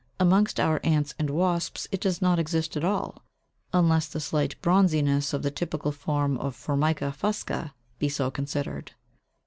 Amongst our ants and wasps it does not exist at all, unless the slight bronziness of the typical form of Formica fusca be so considered.